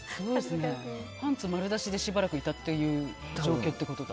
パンツ丸出してしばらくいたっていう状況ってことだ。